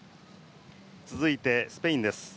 続いてスペインです。